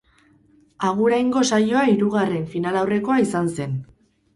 Aguraingo saioa hirugarren finalaurrekoa izan zen.